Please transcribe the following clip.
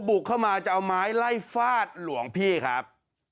บุกเข้ามาจะเอาไม้ไล่ฟาดหลวงพี่ครับ